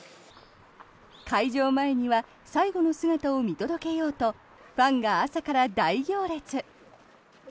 会場前には最後の姿を見届けようとファンが朝から大行列。